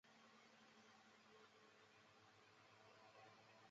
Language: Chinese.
马来西亚卫生部长是马来西亚主管卫生事务的联邦政府部门的部长。